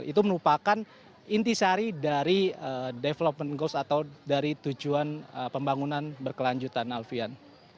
itu merupakan intisari dari development goals atau dari tujuan pembangunan berkelanjutan alfian